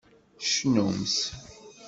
Cnumt!